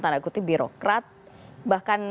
tanda kutip birokrat bahkan